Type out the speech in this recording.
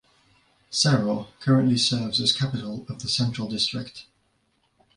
Serowe currently serves as capital of the Central District.